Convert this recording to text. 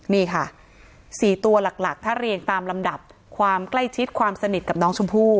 นี่ค่ะ๔ตัวหลักถ้าเรียงตามลำดับความใกล้ชิดความสนิทกับน้องชมพู่